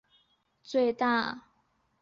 做的贡献最大。